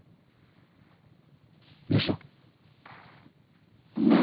どうした？ねぇ